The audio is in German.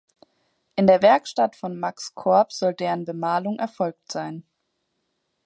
In der Werkstatt von Max Korb soll deren Bemalung erfolgt sein.